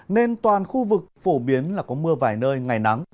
nên toàn khu vực phổ biến là có mưa vài nơi ngày nắng